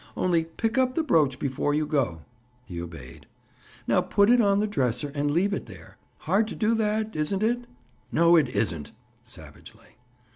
Only pick up the brooch before you go." He obeyed. "Now put it on the dresser and leave it there. Hard to do that, isn't it?" "No, it isn't." Savagely.